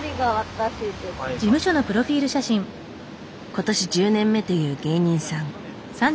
今年１０年目という芸人さん。